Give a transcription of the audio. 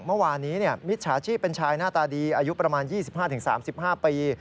เมื่อวานนี้มิจฉาชีพเป็นชายหน้าตาดีอายุประมาณ๒๕๓๕ปี